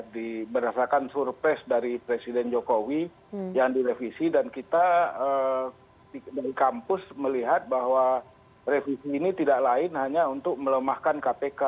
diberasakan surprise dari presiden jokowi yang direvisi dan kita dari kampus melihat bahwa revisi ini tidak lain hanya untuk melemahkan kpk